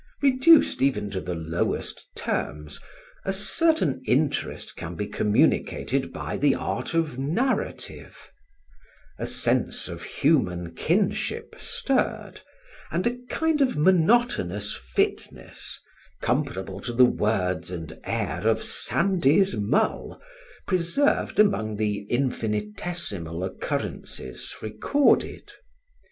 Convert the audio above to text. Reduced even to the lowest terms, a certain interest can be communicated by the art of narrative; a sense of human kinship stirred; and a kind of monotonous fitness, comparable to the words and air of Sandy's Mull, preserved among the infinitesimal occurrences recorded.